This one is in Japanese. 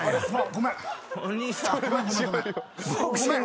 ごめん。